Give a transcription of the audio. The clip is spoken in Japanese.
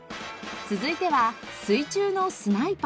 続いては水中のスナイパー。